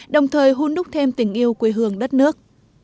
đồng thời hun đúc thêm tình yêu quê hương đất nước